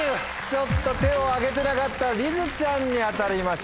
ちょっと手を挙げてなかったりづちゃんに当たりました。